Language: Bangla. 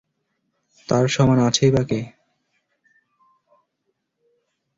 তার সমান আছেই বা কে?